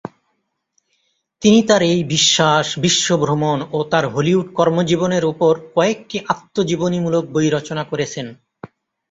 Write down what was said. তিনি তার এই বিশ্বাস, বিশ্ব ভ্রমণ ও তার হলিউড কর্মজীবনের উপর কয়েকটি আত্মজীবনীমূলক বই রচনা করেছেন।